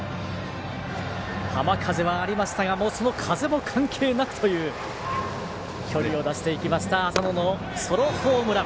浜風はありましたがその風も関係なくという距離を出していきました浅野のソロホームラン。